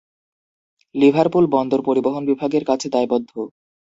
Liverpool বন্দর পরিবহন বিভাগের কাছে দায়বদ্ধ।